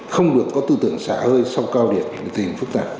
không được có tư tưởng xa hơi sau cao điểm tình hình phức tạp